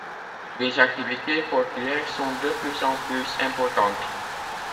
Les activités portuaires sont de plus en plus importantes.